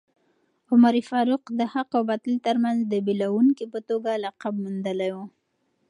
عمر فاروق د حق او باطل ترمنځ د بېلوونکي په توګه لقب موندلی و.